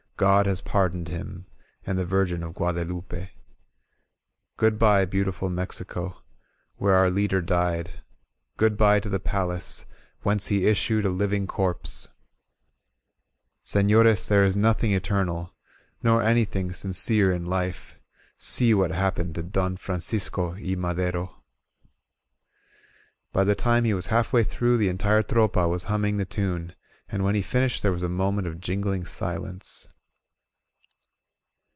God has pardoned him And the Virgin of GuadeVupe. *^Good'bye Beautiful Mexico Where our leader died Good bye to the palace Whence he issued a living corpse ^^Sefiores, there is nothing eternal Nor anything sincere in life See what happened to Don Francisco I. Madero! 99 INSURGENT MEXICO By the time he was half way through, the entire Tropa was humming the tune, and when he finished there was a moment of jingling silence.